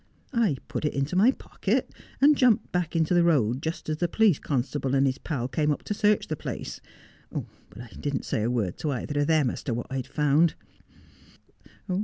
I put it into my pocket, and jumped back into the road just as the police constable and his pal came up to search the place ; but I didn't say a word to either of them as to what I'd found.